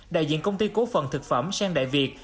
đại diện công ty cố phần thực phẩm sen đại việt